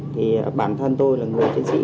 thì bản thân tôi là người chiến sĩ